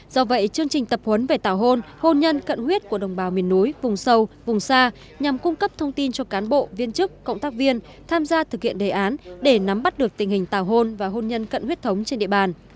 do vậy chương trình tập huấn về tàu hôn hôn nhân cận huyết của đồng bào miền núi vùng sâu vùng xa nhằm cung cấp thông tin cho cán bộ viên chức cộng tác viên tham gia thực hiện đề án để nắm bắt được tình hình tàu hôn và hôn nhân cận huyết thống trên địa bàn